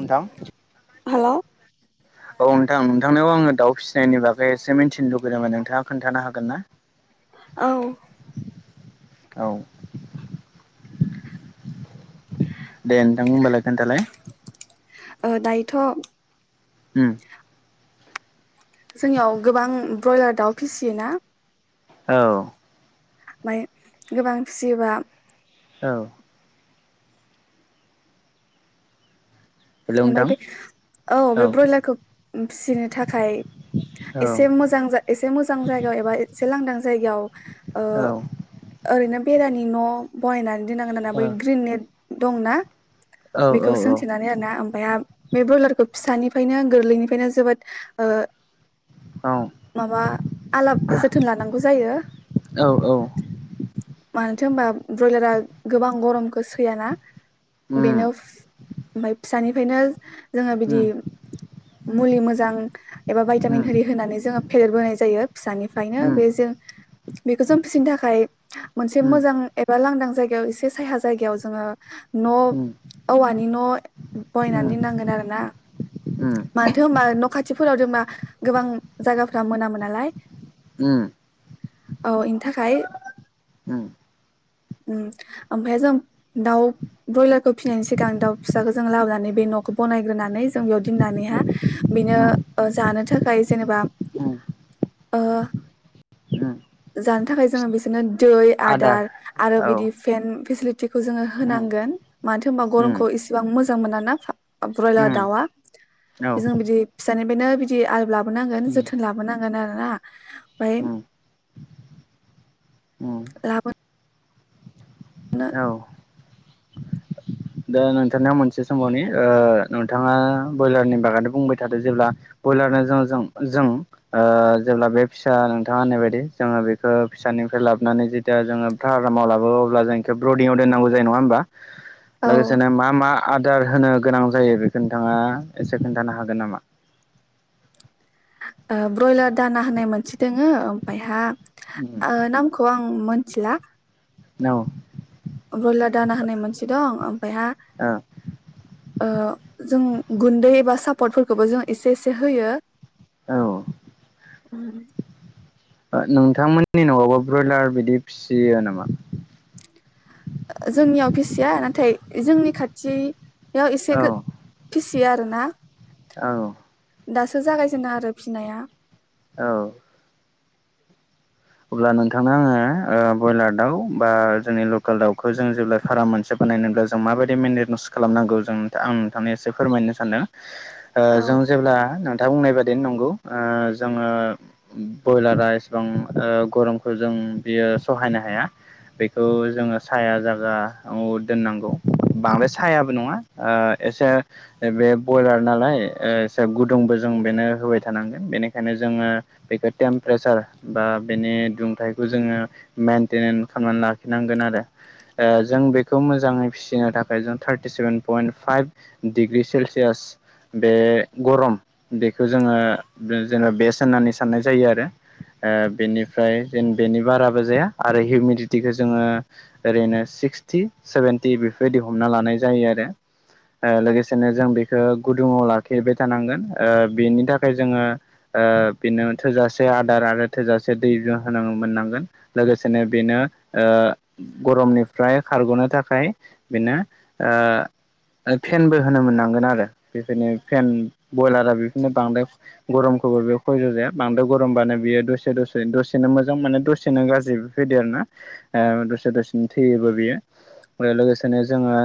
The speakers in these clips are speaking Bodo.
नोंथां हेलौ औ नोंथां नोंथांनाव आङो दाउ फिसिनायनि बागै एसे मिन्थिनो लुगैदोंमोन नोंथाङा खोन्थानो हागोन ना औ औ दे नोंथां होनबालाय खोन्थालाय ओ दायोथ' उम जोंनियाव गोबां ब्रयलार दाउ फिसियो ना औ ओमाय गोबां फिसियोबा औ हेलौ ओमफ्राय नोंथां बे औ बे ब्रयलारखौ फिसिनो थाखाय औ एसे मोजां एसे मोजां जायगायाव एबा एसे लांदां जा जायगायाव ओ औ ओरैनो बेरानि न' बायनानै दोनांगोन औ आरोना बै ग्रिननेट दं ना बेखौ औ सोंथिनानै आरो ना बे ब्रयलारखौ फिसानिफ्रायनो गोरलैनिफ्रायनो जोबोद माबा आलाब जोथोन लानांगौ जायो औ औ मालबा थो होनबा ब्रयलारा गोबां गरमखौ सैयाना? बेनो उम ओमफाय दानिफ्रायनो जोङो बिदि उम मुलि मो ज। एबा उम भाइटामिन आरि होनानै जोङो। फेदेरबोनाय जायो। फिसानिफ्रायनो उम बे जों बेखौ जों फिसिनो थाखाय मोनसे उम मोजां एबा लांदां जायगायाव एसे साया जायगायाव जोङो न' उम औवानि न' उम बयनानै उम दोननांगोन आरो ना? मान्थो होम्बा न' खाथिफोराव जेनेबा गोबां जायगाफ्रा मोनामो नालाय। उम औ इनिथाखाय उम उम ओमफ्राय जों दाउ ब्रयलारखौ फिनायनि सिगां दाउ फिसाखौ जों लाबोनानै बै न'खौ बानायग्रोनानै जों बेयाव दोनानैहा उम बिनो ओ जानो थाखाय जेनेबा उम ओ उम जानो थाखाय जोङो बिसोरनो दै आदार आरो औ बिदि फेन फेसिलि थि खौ जोंङो उम होनांगोन। मानोथो होम्बा उम गरमखौ एसेबां मो जां मोना ना [unintelligible] ब्रयलार उम दावा। औ जों बिदि फिसानिफ्रायनो बिदि आलबो लाबोनांगोन उम जोथोन लाबोनांगोन आरोना। ओमफ्राय उम उम लाबो नो। औ दा नोंथांनियाव मोनसे सोंबावनि ओ नोंथाङा ब्रयलारनि बागानो बुंबाय थादो जेब्ला ब्रयलारनो जो जों जों ओ जेब्ला बे फिसा नोंथाङा होननाय बायदि जोङो बेखौ फिसानिफ्राय लाबोनानै जेतिया जोङो फारारामाव लाबो अब्ला जों बेखौ ब्रदिंआव दोननांगौ जायो नङा होमबा? औ लोगोसेनो मा मा? आदार होनो गोनां जायो बेखौ नोंथाङा एसे खोन्थानो हागोन नामा? ओ ब्रयलार दाना होनाय मोनसे दोङो ओमफायहा ओ नामखौ आं मोन थिला। औ ब्रयलार दाना होनाय मोनसे दं ओफायहा ओ जों गुन्दै एबा सापटफोरखौबो जों एसे एसे होयो। औ। उम। ओ नोंथांमोननि न'आवबो ब्रयलार बिदि फिसियो नामा? ओ जोंनियाव फिसिया नाथाय जोंनि खाथि बेयाव एसे औ गो फिसियो आरो ना? औ। दासो जागायजेनो आरो फिसिनाया। औ। अब्ला नोंथांनो आङो ओ ब्रयलार दाउ बा जोंनि लकेल दाउखौ जों जेब्ला फार्म मोनसे बानायनोब्ला जों माबायदि मेननेमेस खालामनांगौ जों आं नोंथांनो एसे फोरमायनो सानदों। औ ओ जों जेब्ला नों दा बुंनाय बादियानो नंगौ ओ जोङो बयलारा एसेबां ओ गरमखौ जों बियो सहायनो हाया बेखौ जोङो साया जायागायाव दोननांगौ बांद्राय सायाबो नङा, ओ एसे बे बयलार नालाय एसे गुदुंबो जों बेनो होबाय थानांगोन बेनिखायनो जोङो बेखौ टेमप्रेसार बा बेनि दुंथाइखौ जोङो मेेनटेनेन खालामनानै लाखिनांगोन आरो ओ जों बेखौ मोजाङै फिसिनो थाखाय जों thirty seven point five degree Celsius बे गरम बेखौ जोङो जेना बेसत होननानै साननाय जायो आरो। ओ बेनिफ्राय जेन बेनि बाराबो जाया आरो हिउमिडटिखौ जोङो ओरैनो सिक्सटि सेभेनटि बेफोरबायदि हमना लानाय जायो आरो ओ लोगोसेनो जों बेखौ गुदुङाव लाखिबाय थानांगोन ओ बेनि थाखाय जोङो ओ बेनो थोजासे आदार आरो थोजासे दै जों होनो मोननांगोन लोगोसेनो बेनो ओ गरमनिफ्राय खारग'नो थाखाय बेनो ओ फेनबो होनो मोननांगोन आरो बेफोरनो फेन ब्रयलारा बेफोरनो बांद्राय गरमखौबो बे खयज' जाया बांद्राय गरमबानो बेयो दसे दसे दसे दसेनो मोजां माने दसेनो गाज्रि। फैदो आर ना दसे दसे थैयोबो बियो। आरो लोगोसेनो जोङो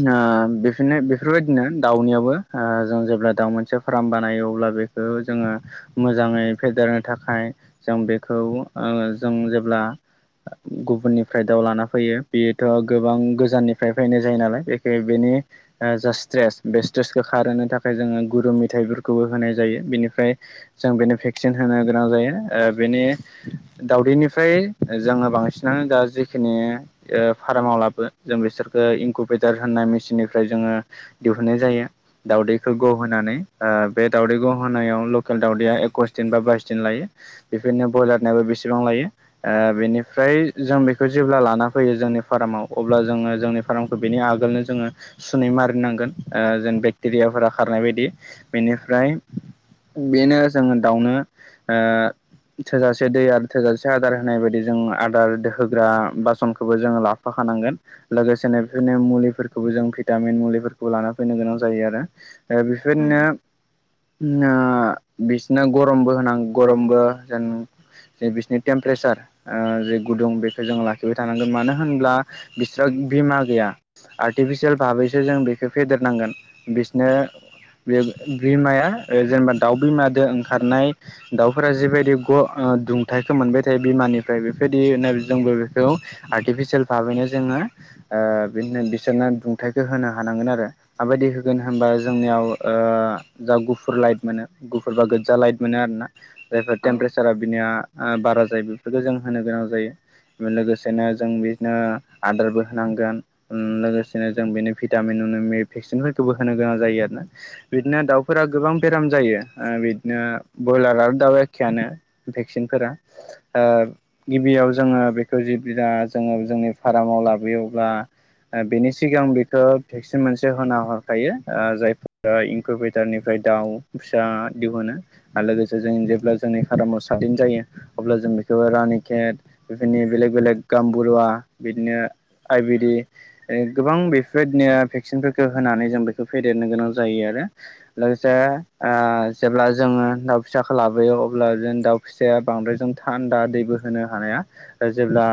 ओ बिफोरनो बेफोरबायदिनो दाउनियावबो जों जेब्ला दाउ मोनसे फार्म बानायो अब्ला बेखौ जोङो मोजाङै फेदेरनो थाखाय जों बेखौ ओ जों जेब्ला गुबुननिफ्राय दाउ लाना फैयो बेयोथ' गोबां गोजाननिफ्राय फैनाय जायो नालाय बेख बेनि ओ जा स्ट्रेस बे स्ट्रेसखौ खारहोनो थाखाय जोङो गुरु मेथाइफोरखौबो होनाय जायो बेनिफ्राय जों बेनो भेक्सिन होनो गोनां जायो ओ‌ बेनि दावदैनिफ्राय जों बांसिनानो दा जेखिनि ओ‌ फारामाव लाबो जों बेसोरखो इनकु भेटार होननाय मेसिनिफ्राय जोङो दिहुन्नाय जायो दावदै खौ ग' होनानै ओ बे दावदै ग‌' होनायाव लकेल दावदैया‌ एकुस दिन‌ बा बाइस दिन लायो बेफोरनो ब्रयलारनिाबो बेसेबां लायो ओ बेनिफ्राय जों बेखौ जेब्ला लाना फैयो जोंनि फार्माव अब्ला जोङो जोंनि फार्मखौ बेनि आगोलनो जोङो सुनै मारिनांगोन ओ जेन बेक्टेरियाफोरा खारनाय बायदि बेनिफ्राय बेनो जोङो दाउनो ओ थोजासे दै आरो थोजासे आदार होनाय बायदि जों आदार होग्रा बासनखौबो जोङो लाफाखानांगोन लोगोसेनो बेफोरनो मुलिफोरखौबो जों भिटामिन मुलिफोरखौबो लाना फैनो गोनां जायो आरो। ओ उम बेफोरनो। [unintelligible] बिसना गरमबो। नां गरमबो जेन जे बिसोरनि टेम्पारेसार ओ जे गुदुं बेखौ जों लाखिबाय थानांगोन मानो होनब्ला बिस्रा बिमा गैया आर्टिफिसियेल भाबैसो जों बेखौ फेदेरनांगोन बिसोरनो बे बिमाया जेनेबा दाउ बिमादो ओंखारनाय दाउफोरा जिबायदि ग' दुंथाइखौ मोनबाय थायो बिमानिफ्राय बेफोरबायदिनो जोंबो बेखौ आर्टिफिसियेल भाबैनो जोङो ओ बि बिसोरनो दुंथाइखौ होनो हानांगोन आरो माबायदि होगोन होनबा जोंनियाव ओ जा गुफुर लाइट मोनो गुफुर बा गोजा लाइट। मोनो आरोना। जायफोर औ टेमपारेसारा बिनिया ओ बारा जायो बेफोरखौ जों होनो गोनां जायो लोगोसेनो जों बिदिनो आदारबो होनांगोन उम लोगोसेनो जों बिनो भिटामिनि भेक्सिनफोरखौबो होनो गोनां जायो आरोना बिदिनो दाउफोरा गोबां बेराम जायो ओ बिदिनो ब्रयलार आरो दाउ एखेयानो भेक्सिनफोरा ओ गिबियाव जोङो बेखौ जेब्ला जोङो जोंनि फारामाव लाबोयो अब्ला बेनि सिगां बेखौ भेक्सिन मोनसे होना हरखायो जायफोरा इनकपेटारनिफ्राय दाउ फिसा दिहुनो। आरो लोगोसे जों जेब्ला जोंनि हारामाव सादन जायो अब्ला जों बेखौ रानि केेट बेफोरनि बेलेग बेलेग गामबुरुवा बिदिनो आयवेदि गोबां बेफोरदिनो भेक्सिनफोरखौ होनानै जों बेखौ फेदेरनो गोनां जायो आरो लोगोसे ओ जेब्ला जोङो दाउ फिसाखौ लाबोयो अब्ला जों दाउ फिसाया बांद्राय जों थान्दा दैबो होनो हानाया ओ जेब्ला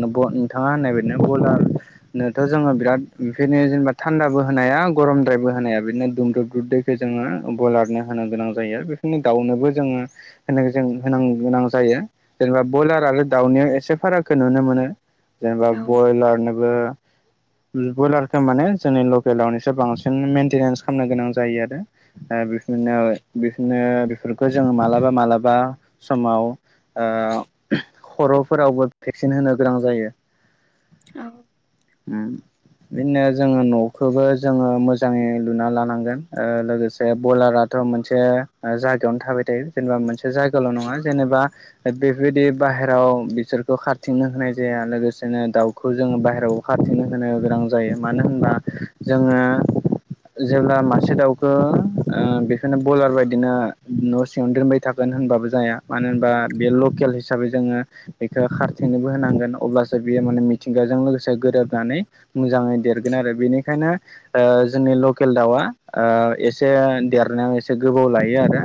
नोंथाङा होननाय बादनो बयलारनोथ' जोङो बिराद बेफोरनो जेनेबा थान्दाबो होनाया गरमद्रायबो होनाया बिदिनो दुमद्रुुब द्रुुब दैखौ जोङो ब्रयलारनो होनो गोनां जायो बेनो दाउनोबो जोङो होन ज होनां गोनां जायो जेनेबा ब्रयलार आरो दाउनि एसे फारागखौ नुनो मोनो। जेनेबा औ ब्रयलारनोबो बयलारखौ माने जोंनि लकेल दाउनिसाय बांसिन मेेनटेनेन्स खालामनो गोनां जायो आरो ओ बेफोरनो। बिफोरनो बेफोरखौ जोङो मालाबा मालाबा समाव ओ खर' फोरावबो भेक्सिन होनो गोनां जायो। औ। उम बिदिनो जोङो न'खौबो जोङो मोजाङै लुना लानांगोन ओ लोगोसे ब्रयलाराथ' मोन से जायगायावनो थाबाय थायो जेनेबा मोनसे जायगाल' नङा जेनेबा बेफोरबायदि बाहेरायाव बिसोरखौ खारथिंनो होनाय जाया लोगोसेनो दाउखौ जोङो बाहेरायाव खारथिंनो होनो गोनां जायो मानो होनबा जोङो जेब्ला मासे दाउखौ ओ बेफोर बेखायनो बयलार बायदिनो न' सिङावनो दोनबाय थागोन होनबाबो जाया मानो होनबा बेयो लकेल हिसाबै जोङो बेखौ खारथेनोबो होनांगोन अब्लासो बेयो माने मिथिंगाजों लोगोसे गोरोबनानै मोजाङै देरगोन आरो बेनिखायनो जोंनि लकेल दाउआ ओ एसे देरनाय। एसे गोबाव लायो आरो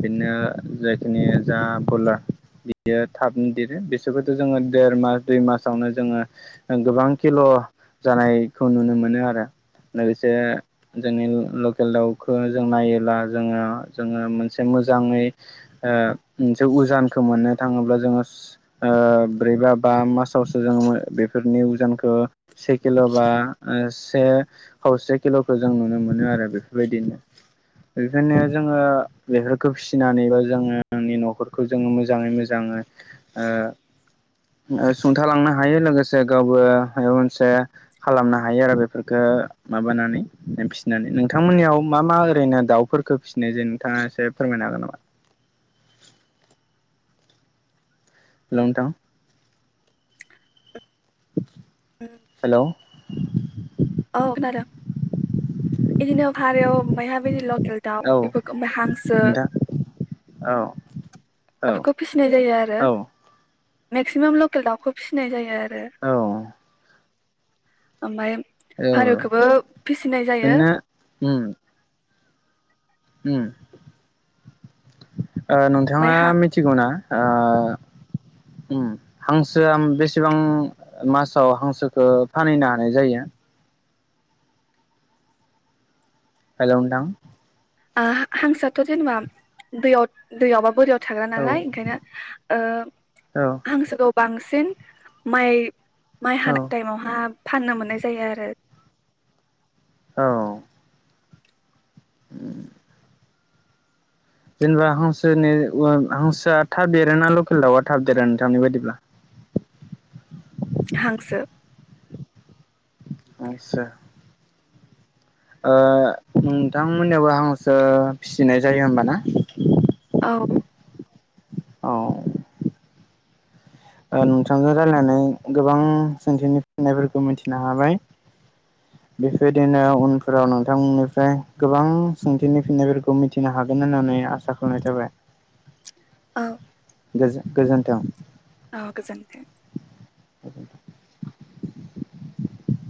बिदिनो जायखिनि जा पुलार बियो थाबनो दिरो बिसोरखौथ' जोङो देर मास दुइ मासावनो जोङो गोबां किल जानायखौ नुनो मोनो आरो लोगोसे जोंनि लकेल दाउखौ जों नायो। ब्ला जोङा जोङो मोनसे मोजाङै मोनसे उजानखौ मोननो थाङोब्ला जोङो ब्रै बा बा मासावसो जोङो बेफोरनि उजानखौ से किल' बा सेखौ से किल'खौ जों नुनो मोनो आरो बेफोरबायदिनो। बेखायनो जोङो बेफोरखौ फिसिनानै बा जोङोनि न'खरखौ जोङो मोजाङै मोजाङै सुंथालांनो हायो लोगोसे गावबो माबा मोनसे खालामनो हायो आरो बेफोरखौ माबानानै फिसिनानै नोंथांमोननियाव मा मा ओरैनो दाउ। फोरखो फिसिनायजों नोंथाङा एसे फोरमायनो हागोन नामा। लंटाउ। हेल। औ‌‌ खोनादों। इदिनो भारायाव बायहाबदि। ओ दाउ बेफोरखौ हांसो। नोंथां हेलौ औ नोंथां औ औ बेफोरखौ फिसिनाय जायो आरो। औ मेक्सिमाम लकेल दाउखौ फिसिनाय जायो आरो। से। औ ओमबाय। औ फारौखौबो फिसिनाय जायो। बिदिनो उम उम। ओ‌ ओमफ्राय नोंथाङा हा मिथिगौ ना। ओ उम हांसोआ बेसेबां मासाव हांसोखौ फानहैनो हानाय जायो? हेलौ नोंथां। ओ हांसोआथ' जेनेबा दैयाव दैयावबा बोरियाव थाग्रा औ नालाय ओंखायनो ओ औ हांसोखौ बांसिन माइ माइ औ हानाय टाइमावहा फाननो मोननाय जायो आरो। औ। उम। जेनेबा हांसोनि ओ हांसोआ थाब देरोना लकेल दाउआ थाब देरो नोंथांनि बायदिब्ला? हांसो। आसा। ओ नोंथांमोननियावबो हांसो फिसिनाय जायो होमबा ना? औ। औ। ओ नोंथांजों रायलायनानै गोबां सोंथिनि फिननायफोरखौ मिथिनो हाबाय। बेफोरदिनो उनफोराव नोंथांनिफ्राय गोबां सोंथिनि फिन्नायफोरखौ मिथिनो हागोन होननानै आसा खालामनाय थाबाय। औ। गोजो गोजोन्थों। अ गोजोन्थों। [inaudible]